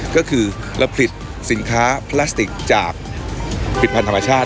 ก็คือเราผลิตสินค้าพลาสติกจากผิดพันธ์ธรรมชาติ